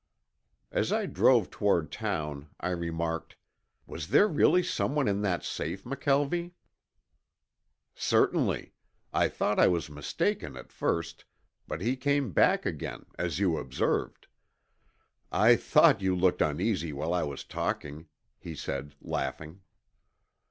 As I drove toward town I remarked, "Was there really someone in that safe, McKelvie?" "Certainly. I thought I was mistaken at first, but he came back again, as you observed. I thought you looked uneasy while I was talking," he said laughing.